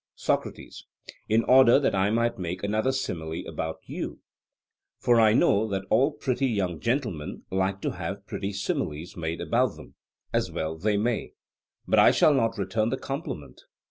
SOCRATES: In order that I might make another simile about you. For I know that all pretty young gentlemen like to have pretty similes made about them as well they may but I shall not return the compliment.